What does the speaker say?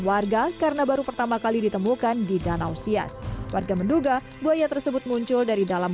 warga karena baru pertama kali ditemukan di danau sias warga menduga buaya tersebut muncul dari dalam